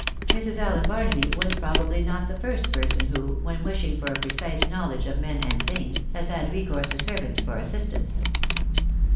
Mrs. Allen Barnaby was probably not the first person who, when wishing for a precise knowledge of men and things, has had recourse to servants for assistance.